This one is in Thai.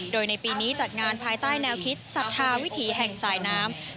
โดยในปีนี้จัดงานภายใต้แนวคิดศรัทธาวิถีแห่งสายน้ำ